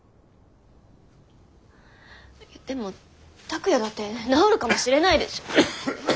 でも拓哉だって治るかもしれないでしょ。